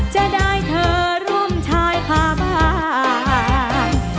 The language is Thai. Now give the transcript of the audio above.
จะได้เธอร่วมชายพาบ้าน